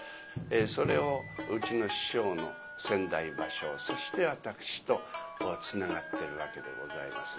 それをうちの師匠の先代馬生そして私とつながってるわけでございます。